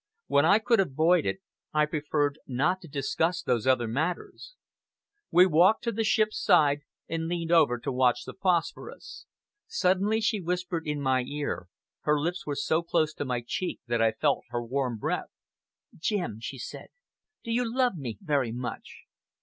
When I could avoid it, I preferred not to discuss those other matters. We walked to the ship's side, and leaned over to watch the phosphorus. Suddenly she whispered in my ear, her lips were so close to my cheek that I felt her warm breath. "Jim," she said, "do you love me very much?"